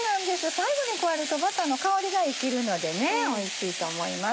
最後に加えるとバターの香りが生きるのでねおいしいと思います。